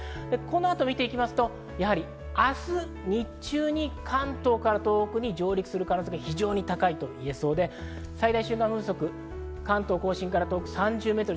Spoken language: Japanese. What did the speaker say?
この後見ていきますと明日日中に関東から東北に上陸する可能性、非常に高いと言えそうで、最大瞬間風速３０メートル。